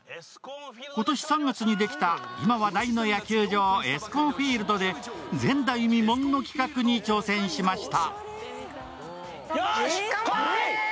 今年３月にできた今話題の野球場ＥＳＣＯＮＦＩＥＬＤで前代未聞の企画に挑戦しました。